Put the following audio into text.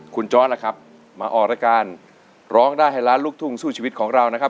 คุณจอร์ดล่ะครับมาออกรายการร้องได้ให้ล้านลูกทุ่งสู้ชีวิตของเรานะครับ